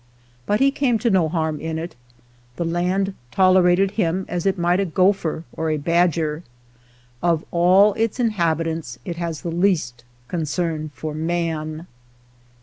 But he came to no harm in it ; the land tolerated him as it might a gopher or a badger. Of all its inhabitants it has the least concern for man.